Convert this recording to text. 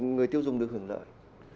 người tiêu dùng được hưởng lợi